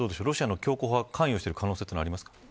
ロシアの強硬派が関与している可能性がありますか。